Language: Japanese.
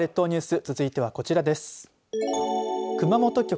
では、列島ニュース続いては、こちらです。